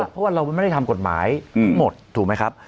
เพราะว่าเราไม่ได้ทำกฎหมายทั้งหมดถูกไหมครับ